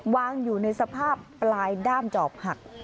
วางอยู่ในสภาพปลายด้ามจอบหัก